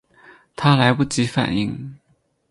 她来不及反应